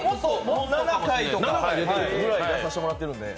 ７回ぐらい出させてもらっているので。